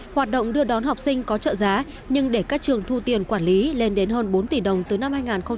hoạt động đưa đón học sinh có trợ giá nhưng để các trường thu tiền quản lý lên đến hơn bốn tỷ đồng từ năm hai nghìn một mươi tám